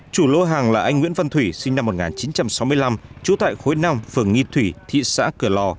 chủ lô hàng là anh nguyễn văn thủy sinh năm một nghìn chín trăm sáu mươi năm trú tại khối năm phường nghị thủy thị xã cửa lò